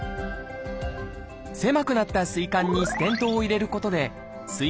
狭くなったすい管にステントを入れることです